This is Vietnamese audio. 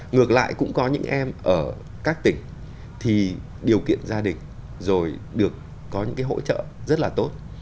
ngược lại cũng có những em ở các tỉnh thì điều kiện gia đình rồi được có những cái hỗ trợ rất là tốt